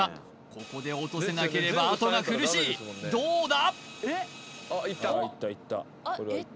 ここで落とせなければあとが苦しいどうだ！？